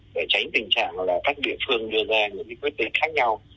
để tránh tình trạng là các địa phương đưa ra những quyết định khác nhau